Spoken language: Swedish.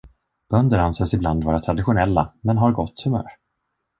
Bönder anses i bland vara traditionella men har gott humör.